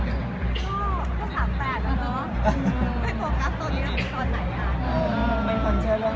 ตอนนี้โปรกรัมตัวเหลือคือตอนไหน